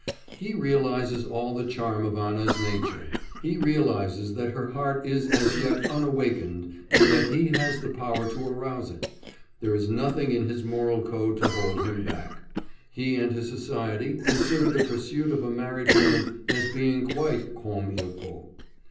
He realises all the charm of Anna's nature; he realises that her heart is as yet unawakened and that he has the power to arouse it; there is nothing in his moral code to hold him back; he and his society consider the pursuit of a married woman as being quite comme il faut.